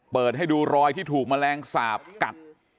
เปิดให้ดูรอยที่ถูกแมลงสาปกัด